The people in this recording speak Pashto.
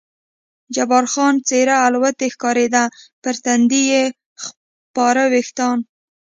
جبار خان څېره الوتی ښکارېده، پر تندي یې خپاره وریښتان.